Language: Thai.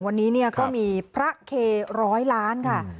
วันนี้ก็มีพระเคร้าร้อยล้านค่ะ